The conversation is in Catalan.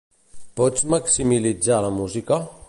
Pots maximitzar la música?